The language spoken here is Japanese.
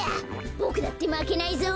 ボクだってまけないぞ。